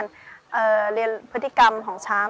ชื่องนี้ชื่องนี้ชื่องนี้ชื่องนี้ชื่องนี้